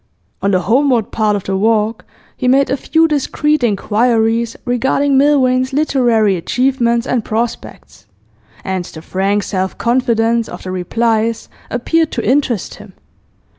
On the homeward part of the walk he made a few discreet inquiries regarding Milvain's literary achievements and prospects, and the frank self confidence of the replies appeared to interest him.